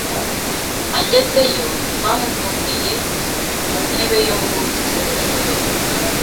Agezeyo, bamuboheye ku ntebe yo munsi.